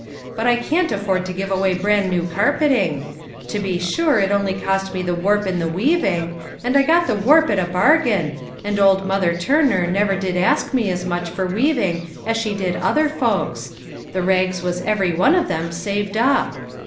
But I can't afford to give away bran new carpeting. To be sure it only cost me the warp and the weaving ; 108 LITTLE FISHEES: AND THEIR NETS. and I got the warp at a bargain, and old Mother Turner never did ask me as much for weaving as she did other folks. The rags was every one of them saved up.